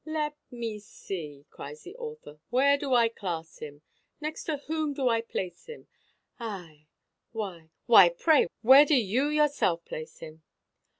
"Let me see," cries the author; "where do I class him? next to whom do I place him? Ay! why why, pray, where do you yourself place him?"